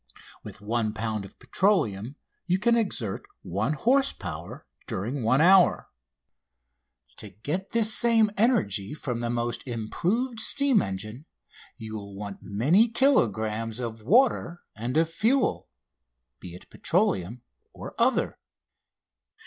With one pound of petroleum you can exert one horse power during one hour. To get this same energy from the most improved steam engine you will want many kilogrammes of water and of fuel, be it petroleum or other.